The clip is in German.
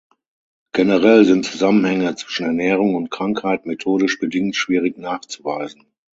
Generell sind Zusammenhänge zwischen Ernährung und Krankheit, methodisch bedingt, schwierig nachzuweisen.